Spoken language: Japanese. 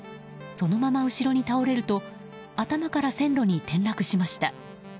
そのまま後ろに倒れると頭から線路に転落しました。